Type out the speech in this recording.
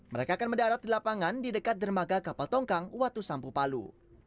mereka akan mendarat di lapangan di dekat dermaga kapal tongkang watu sampu palu